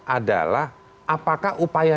adalah apakah upaya